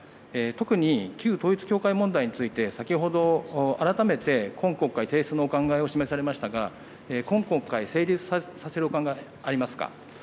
特に旧統一教会問題について、先ほど改めて今国会提出のお考えを示されましたが、今国会成立させるお考え、ありますか。